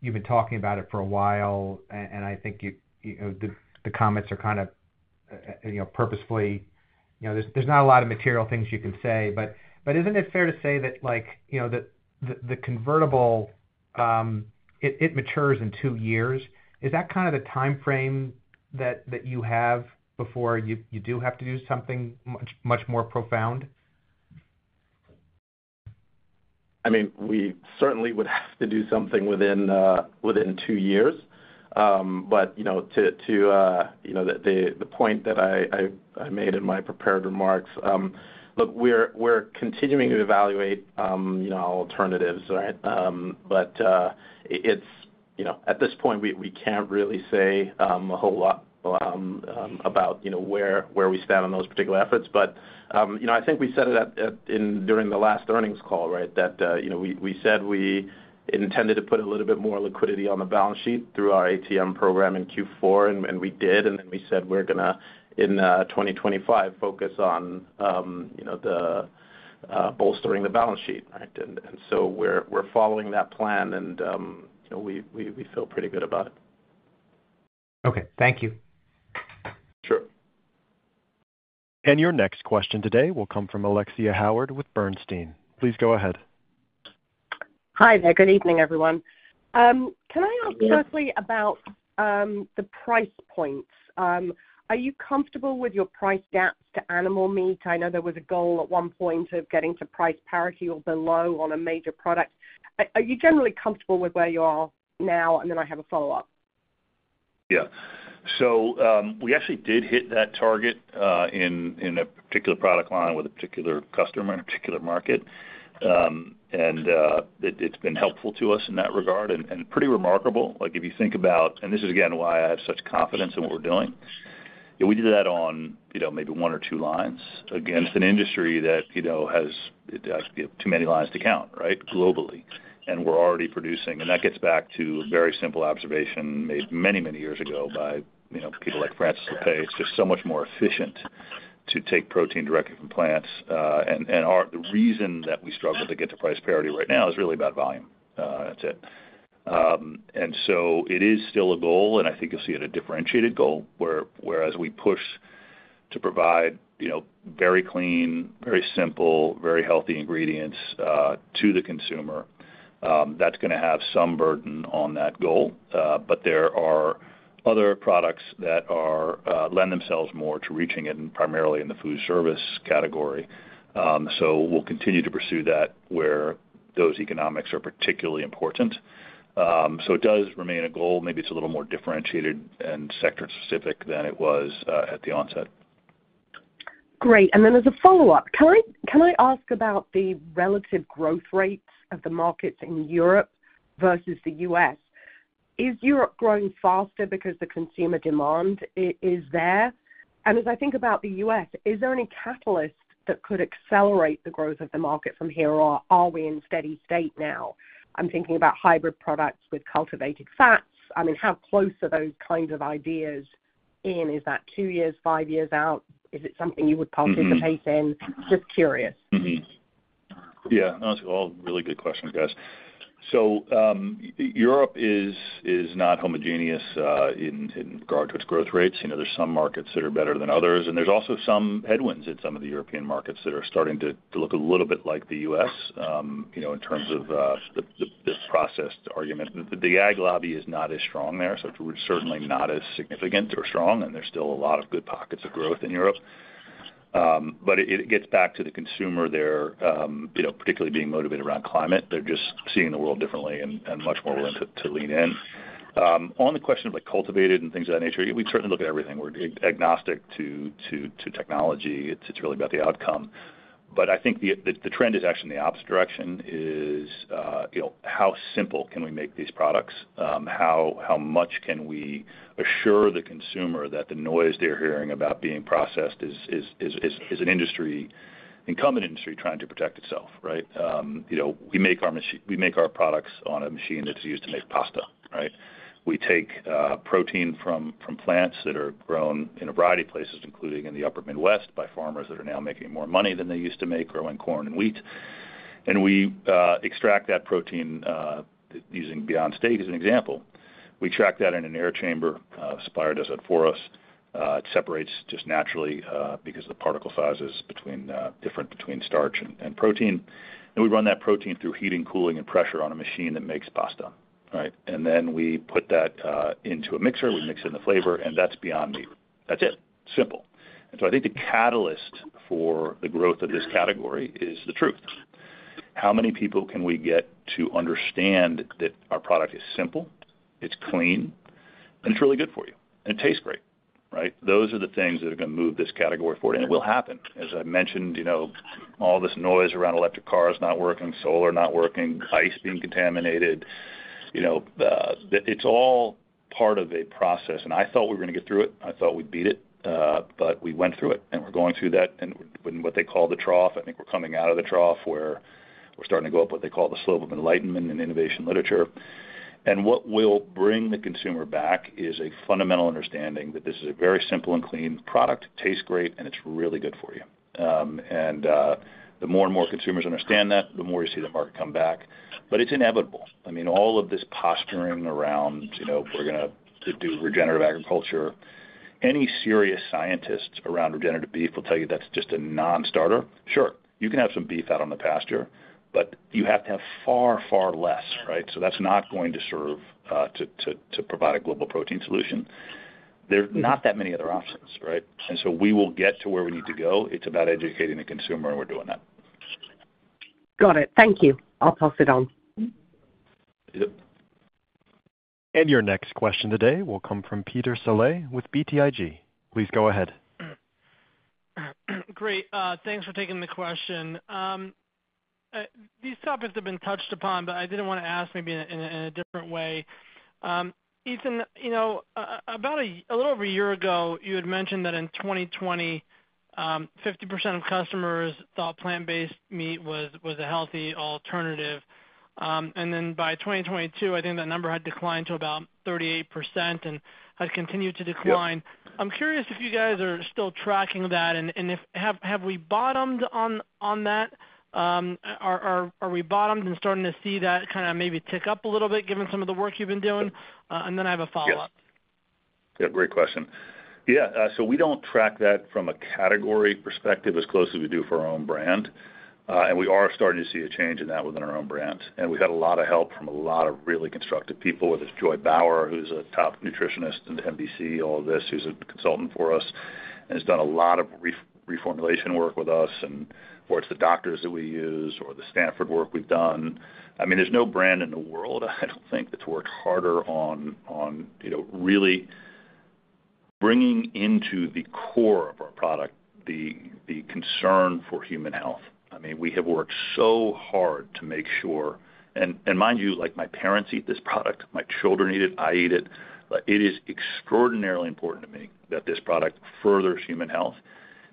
You've been talking about it for a while, and I think the comments are kind of purposefully there's not a lot of material things you can say. Isn't it fair to say that the convertible, it matures in two years? Is that kind of the time frame that you have before you do have to do something much more profound? I mean, we certainly would have to do something within two years. To the point that I made in my prepared remarks, look, we're continuing to evaluate alternatives, right? At this point, we can't really say a whole lot about where we stand on those particular efforts. I think we said it during the last earnings call, right, that we said we intended to put a little bit more liquidity on the balance sheet through our ATM program in Q4, and we did. We said we're going to, in 2025, focus on bolstering the balance sheet, right? We are following that plan, and we feel pretty good about it. Okay. Thank you. Sure. Your next question today will come from Alexia Howard with Bernstein. Please go ahead. Hi there. Good evening, everyone. Can I ask quickly about the price points? Are you comfortable with your price gaps to animal meat? I know there was a goal at one point of getting to price parity or below on a major product. Are you generally comfortable with where you are now? I have a follow-up. Yeah. We actually did hit that target in a particular product line with a particular customer in a particular market. It has been helpful to us in that regard and pretty remarkable. If you think about, and this is, again, why I have such confidence in what we are doing, we did that on maybe one or two lines against an industry that has too many lines to count, right, globally. We are already producing. That gets back to a very simple observation made many, many years ago by people like Frances Lappé. It's just so much more efficient to take protein directly from plants. The reason that we struggle to get to price parity right now is really about volume. That's it. It is still a goal, and I think you'll see it a differentiated goal. Whereas we push to provide very clean, very simple, very healthy ingredients to the consumer, that's going to have some burden on that goal. There are other products that lend themselves more to reaching it primarily in the food service category. We'll continue to pursue that where those economics are particularly important. It does remain a goal. Maybe it's a little more differentiated and sector-specific than it was at the onset. Great. As a follow-up, can I ask about the relative growth rates of the markets in Europe versus the U.S.? Is Europe growing faster because the consumer demand is there? As I think about the U.S., is there any catalyst that could accelerate the growth of the market from here? Are we in steady state now? I'm thinking about hybrid products with cultivated fats. I mean, how close are those kinds of ideas in? Is that two years, five years out? Is it something you would participate in? Just curious. Yeah. Those are all really good questions, guys. Europe is not homogeneous in regard to its growth rates. There are some markets that are better than others. There are also some headwinds in some of the European markets that are starting to look a little bit like the U.S. in terms of the processed argument. The ag lobby is not as strong there, so it's certainly not as significant or strong. There's still a lot of good pockets of growth in Europe. It gets back to the consumer there, particularly being motivated around climate. They're just seeing the world differently and much more willing to lean in. On the question of cultivated and things of that nature, we certainly look at everything. We're agnostic to technology. It's really about the outcome. I think the trend is actually in the opposite direction, is how simple can we make these products? How much can we assure the consumer that the noise they're hearing about being processed is an industry, incumbent industry trying to protect itself, right? We make our products on a machine that's used to make pasta, right? We take protein from plants that are grown in a variety of places, including in the Upper Midwest, by farmers that are now making more money than they used to make growing corn and wheat. We extract that protein using Beyond Steak as an example. We track that in an air chamber, supplied as a forest. It separates just naturally because of the particle sizes different between starch and protein. We run that protein through heating, cooling, and pressure on a machine that makes pasta, right? We put that into a mixer. We mix in the flavor, and that's Beyond Meat. That's it. Simple. I think the catalyst for the growth of this category is the truth. How many people can we get to understand that our product is simple, it's clean, and it's really good for you? It tastes great, right? Those are the things that are going to move this category forward. It will happen. As I mentioned, all this noise around electric cars not working, solar not working, ice being contaminated. It's all part of a process. I thought we were going to get through it. I thought we'd beat it. We went through it, and we're going through that. What they call the trough, I think we're coming out of the trough where we're starting to go up what they call the slope of enlightenment in innovation literature. What will bring the consumer back is a fundamental understanding that this is a very simple and clean product, tastes great, and it's really good for you. The more and more consumers understand that, the more you see the market come back. It's inevitable. I mean, all of this posturing around we're going to do regenerative agriculture. Any serious scientists around regenerative beef will tell you that's just a non-starter. Sure. You can have some beef out on the pasture, but you have to have far, far less, right? That is not going to serve to provide a global protein solution. There are not that many other options, right? We will get to where we need to go. It's about educating the consumer, and we're doing that. Got it. Thank you. I'll pass it on. Yep. Your next question today will come from Peter Saleh with BTIG. Please go ahead. Great. Thanks for taking the question. These topics have been touched upon, but I did want to ask maybe in a different way. Ethan, about a little over a year ago, you had mentioned that in 2020, 50% of customers thought plant-based meat was a healthy alternative. And then by 2022, I think that number had declined to about 38% and had continued to decline. I'm curious if you guys are still tracking that, and have we bottomed on that? Are we bottomed and starting to see that kind of maybe tick up a little bit given some of the work you've been doing? I have a follow-up. Yeah. Great question. Yeah. We don't track that from a category perspective as closely as we do for our own brand. We are starting to see a change in that within our own brand. We have had a lot of help from a lot of really constructive people, whether it's Joy Bauer, who's a top nutritionist at NBC, all of this, who's a consultant for us and has done a lot of reformulation work with us and works with doctors that we use or the Stanford work we've done. I mean, there is no brand in the world, I don't think, that's worked harder on really bringing into the core of our product the concern for human health. I mean, we have worked so hard to make sure—mind you, my parents eat this product. My children eat it. I eat it. It is extraordinarily important to me that this product furthers human health.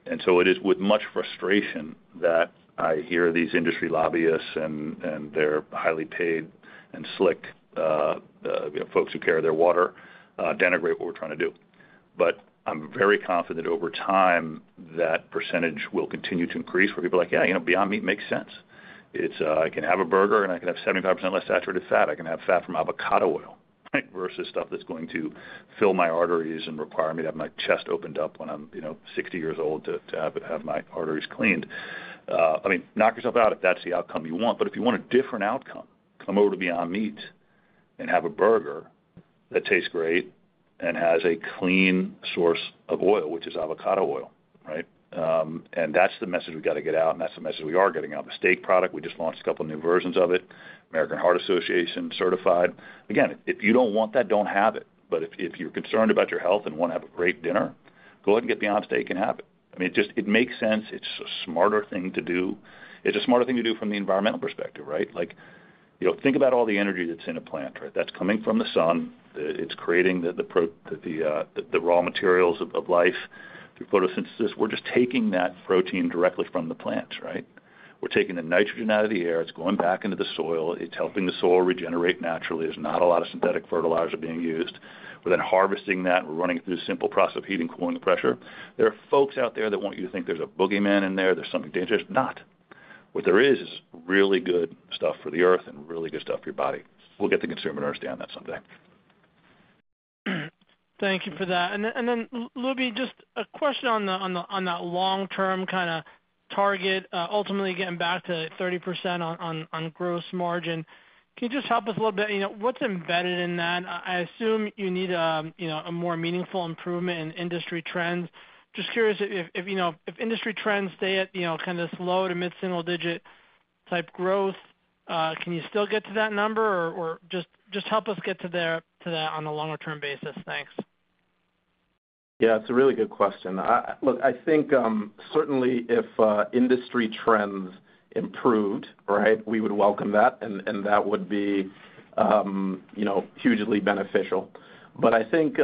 It is with much frustration that I hear these industry lobbyists and their highly paid and slick folks who care of their water denigrate what we're trying to do. I'm very confident over time that percentage will continue to increase where people are like, "Yeah, Beyond Meat makes sense. I can have a burger, and I can have 75% less saturated fat. I can have fat from avocado oil, right, versus stuff that's going to fill my arteries and require me to have my chest opened up when I'm 60 years old to have my arteries cleaned." I mean, knock yourself out if that's the outcome you want. If you want a different outcome, come over to Beyond Meat and have a burger that tastes great and has a clean source of oil, which is avocado oil, right? That's the message we've got to get out, and that's the message we are getting out. The steak product, we just launched a couple of new versions of it, American Heart Association certified. Again, if you don't want that, don't have it. If you're concerned about your health and want to have a great dinner, go ahead and get Beyond Steak and have it. I mean, it makes sense. It's a smarter thing to do. It's a smarter thing to do from the environmental perspective, right? Think about all the energy that's in a plant, right? That's coming from the sun. It's creating the raw materials of life through photosynthesis. We're just taking that protein directly from the plants, right? We're taking the nitrogen out of the air. It's going back into the soil. It's helping the soil regenerate naturally. There's not a lot of synthetic fertilizer being used. We're then harvesting that. We're running it through a simple process of heating, cooling, and pressure. There are folks out there that want you to think there's a boogeyman in there. There's something dangerous. Not. What there is is really good stuff for the earth and really good stuff for your body. We'll get the consumer to understand that someday. Thank you for that. Then, Lubi, just a question on that long-term kind of target, ultimately getting back to 30% on gross margin. Can you just help us a little bit? What's embedded in that? I assume you need a more meaningful improvement in industry trends. Just curious if industry trends stay at kind of slow to mid-single-digit type growth, can you still get to that number? Just help us get to that on a longer-term basis. Thanks. Yeah. It's a really good question. Look, I think certainly if industry trends improved, right, we would welcome that, and that would be hugely beneficial. I think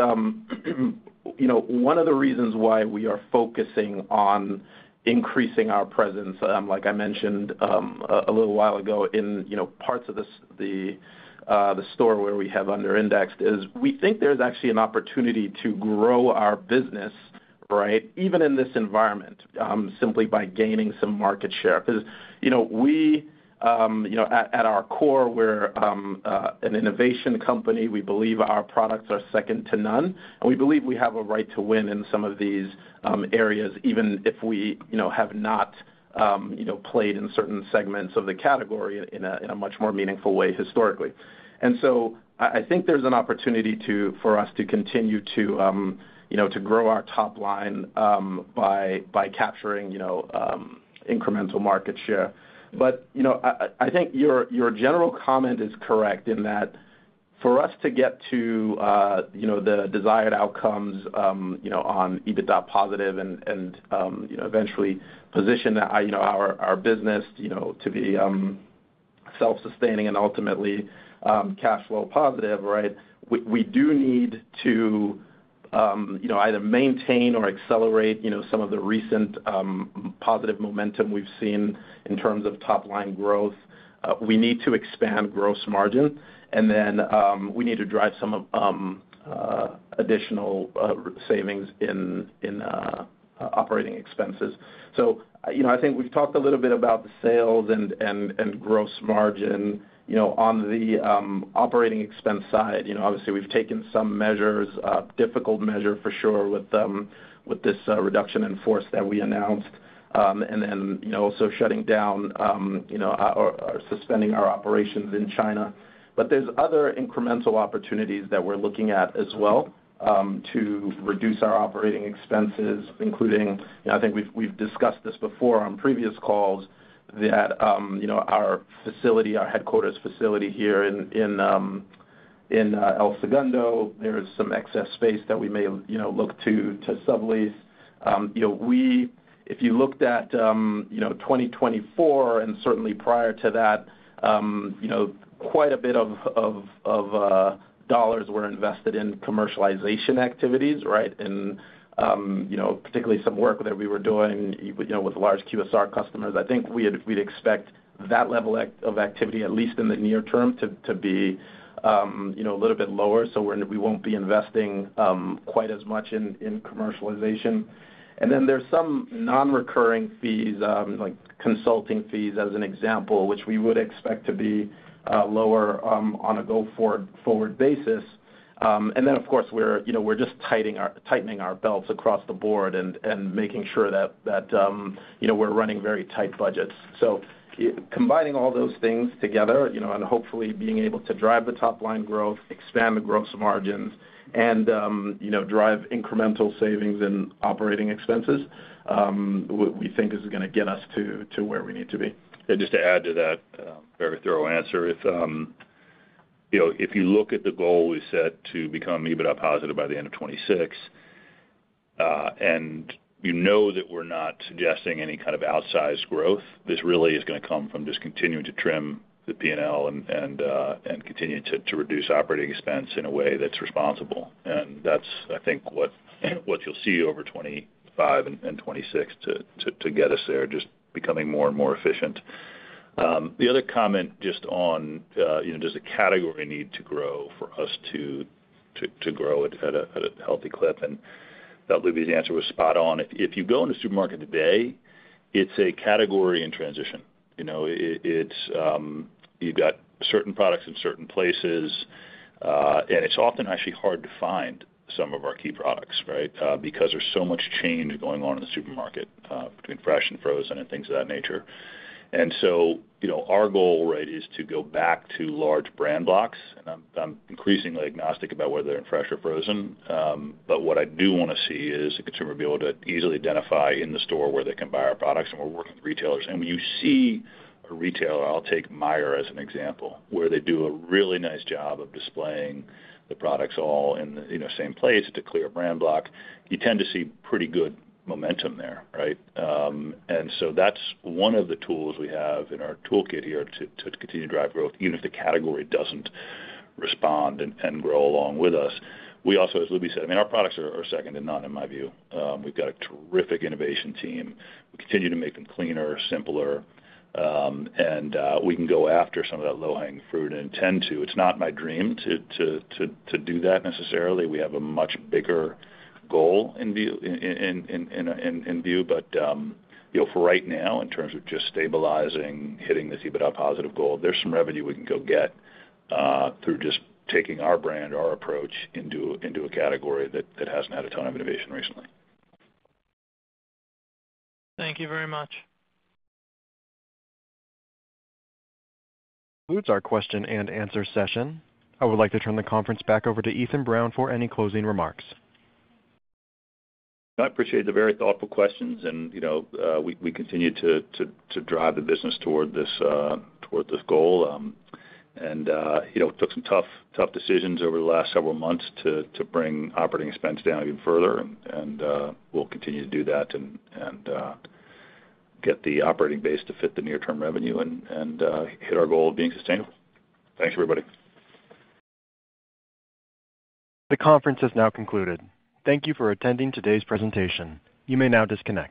one of the reasons why we are focusing on increasing our presence, like I mentioned a little while ago in parts of the store where we have under-indexed, is we think there's actually an opportunity to grow our business, right, even in this environment, simply by gaining some market share. Because we, at our core, we're an innovation company. We believe our products are second to none. We believe we have a right to win in some of these areas, even if we have not played in certain segments of the category in a much more meaningful way historically. I think there's an opportunity for us to continue to grow our top line by capturing incremental market share. I think your general comment is correct in that for us to get to the desired outcomes on EBITDA positive and eventually position our business to be self-sustaining and ultimately cash flow positive, right, we do need to either maintain or accelerate some of the recent positive momentum we've seen in terms of top-line growth. We need to expand gross margin, and then we need to drive some additional savings in operating expenses. I think we've talked a little bit about the sales and gross margin. On the operating expense side, obviously, we've taken some measures, a difficult measure for sure, with this reduction in force that we announced, and then also shutting down or suspending our operations in China. There are other incremental opportunities that we're looking at as well to reduce our operating expenses, including, I think we've discussed this before on previous calls, that our facility, our headquarters facility here in El Segundo, there is some excess space that we may look to sublease. If you looked at 2024 and certainly prior to that, quite a bit of dollars were invested in commercialization activities, right, and particularly some work that we were doing with large QSR customers. I think we'd expect that level of activity, at least in the near term, to be a little bit lower. We won't be investing quite as much in commercialization. There are some non-recurring fees, like consulting fees as an example, which we would expect to be lower on a go-forward basis. Of course, we're just tightening our belts across the board and making sure that we're running very tight budgets. Combining all those things together and hopefully being able to drive the top-line growth, expand the gross margins, and drive incremental savings in operating expenses, we think is going to get us to where we need to be. Just to add to that very thorough answer, if you look at the goal we set to become EBITDA positive by the end of 2026, and you know that we're not suggesting any kind of outsized growth, this really is going to come from just continuing to trim the P&L and continue to reduce operating expense in a way that's responsible. I think what you'll see over 2025 and 2026 to get us there is just becoming more and more efficient. The other comment just on, does the category need to grow for us to grow at a healthy clip? I believe his answer was spot on. If you go into the supermarket today, it's a category in transition. You've got certain products in certain places, and it's often actually hard to find some of our key products, right, because there's so much change going on in the supermarket between fresh and frozen and things of that nature. Our goal, right, is to go back to large brand blocks. I'm increasingly agnostic about whether they're in fresh or frozen. What I do want to see is a consumer be able to easily identify in the store where they can buy our products. We're working with retailers. When you see a retailer, I'll take Myer as an example, where they do a really nice job of displaying the products all in the same place. It's a clear brand block. You tend to see pretty good momentum there, right? That's one of the tools we have in our toolkit here to continue to drive growth, even if the category doesn't respond and grow along with us. We also, as Lubi said, I mean, our products are second to none in my view. We've got a terrific innovation team. We continue to make them cleaner, simpler, and we can go after some of that low-hanging fruit and tend to. It's not my dream to do that necessarily. We have a much bigger goal in view, but for right now, in terms of just stabilizing, hitting this EBITDA positive goal, there's some revenue we can go get through just taking our brand, our approach into a category that hasn't had a ton of innovation recently. Thank you very much. That concludes our question and answer session. I would like to turn the conference back over to Ethan Brown for any closing remarks. I appreciate the very thoughtful questions, and we continue to drive the business toward this goal. I took some tough decisions over the last several months to bring operating expense down even further, and we'll continue to do that and get the operating base to fit the near-term revenue and hit our goal of being sustainable. Thanks, everybody. The conference has now concluded. Thank you for attending today's presentation. You may now disconnect.